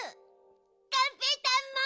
がんぺーたんも。